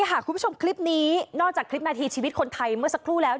คุณผู้ชมคลิปนี้นอกจากคลิปนาทีชีวิตคนไทยเมื่อสักครู่แล้ว